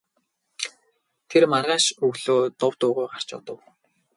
Тэр маргааш өглөө нь дув дуугүй гарч одов.